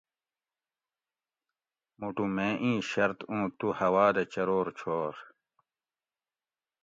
موٹو میں ایں شرط اوُں تو ھوا دہ چرور چھور